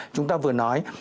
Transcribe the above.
chúng ta vừa nói